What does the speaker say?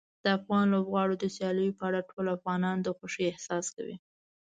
د افغان لوبغاړو د سیالیو په اړه ټول افغانان د خوښۍ احساس کوي.